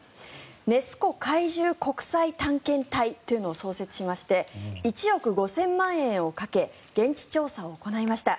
ネス湖怪獣国際探検隊というのを創設しまして１億５０００万円をかけ現地調査を行いました。